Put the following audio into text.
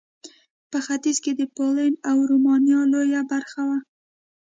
په ختیځ کې د پولنډ او رومانیا لویه برخه وه.